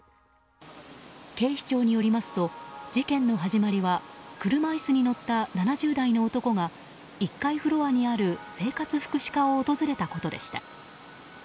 警視庁によりますと事件の始まりは車椅子に乗った７０代の男が１階フロアにある生活福祉課を訪れたことでした。